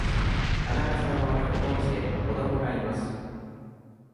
田中さんは結婚して、子供がいます。